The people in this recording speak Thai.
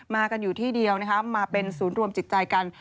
กันอยู่ที่เดียวนะคะมาเป็นศูนย์รวมจิตใจกัน